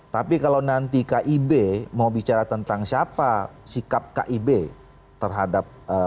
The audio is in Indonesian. tapi kalau nanti kib mau bicara tentang siapa sikap kib terhadap